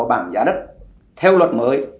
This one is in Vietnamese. bảng giá đất theo luật mới